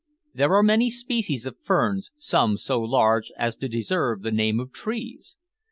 There are many species of ferns, some so large as to deserve the name of trees.